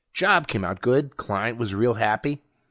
Job came out good; client was real happy.